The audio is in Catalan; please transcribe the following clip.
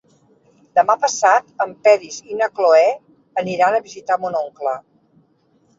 Demà passat en Peris i na Cloè aniran a visitar mon oncle.